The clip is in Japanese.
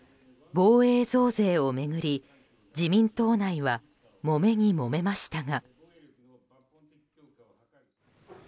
防衛増税を巡り、自民党内はもめにもめましたが。